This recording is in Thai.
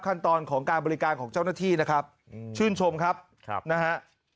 ขั้นตอนของการบริการของเจ้าหน้าที่นะครับชื่นชมครับนะฮะ